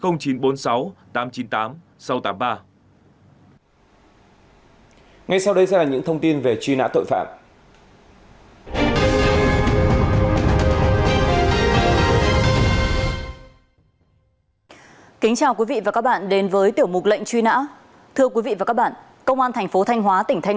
ngay sau đây sẽ là những thông tin về truy nã tội phạm